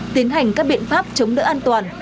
tiến hành các biện pháp chống đỡ an toàn